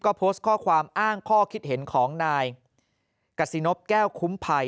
ก็โพสต์ข้อความอ้างข้อคิดเห็นของนายกษินพแก้วคุ้มภัย